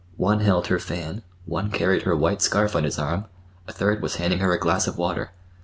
One held her fan, one carried her white scarf on his arm, a third was handing her a glass of water.